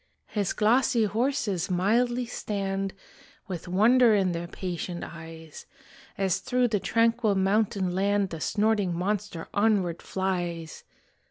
His glossy horses mildly stand With wonder in their patient eyes, As through the tranquil mountain land The snorting monster onward flies.